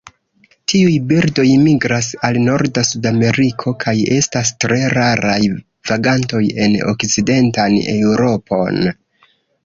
Tiuj birdoj migras al norda Sudameriko, kaj estas tre raraj vagantoj en okcidentan Eŭropon.